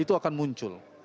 itu akan muncul